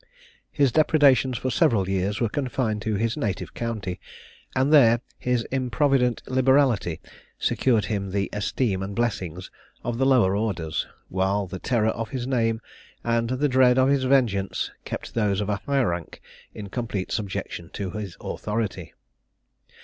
His depredations for several years were confined to his native county, and there his improvident liberality secured him the esteem and blessings of the lower orders, while the terror of his name and the dread of his [Illustration: Discovery of Captain Grant and his band. P. 576] vengeance kept those of a higher rank in complete subjection to his authority.